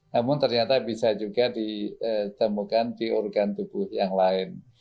namun ternyata bisa juga ditemukan di organ tubuh yang lain